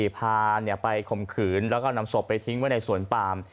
พาไปข่มขืนแล้วก็นำศพไปทิ้งไว้ในสวนปาม